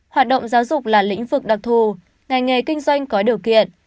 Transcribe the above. hoạt động giáo dục là lĩnh vực đặc thù ngành nghề kinh doanh có điều kiện